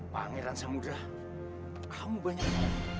pangeran samudera kamu banyak